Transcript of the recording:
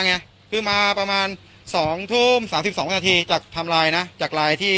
ไงคือมาประมาณสองทุ่มสามสิบสองนาทีจากทำลายนะจากลายที่